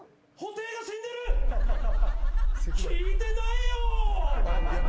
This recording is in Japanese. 聞いてないよ！